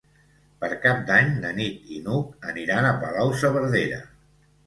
Per Cap d'Any na Nit i n'Hug aniran a Palau-saverdera.